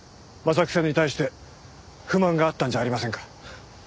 征木さんに対して不満があったんじゃありませんか？